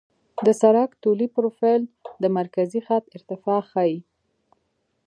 د سړک طولي پروفیل د مرکزي خط ارتفاع ښيي